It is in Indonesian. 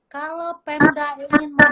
kalau pemda ingin mendukung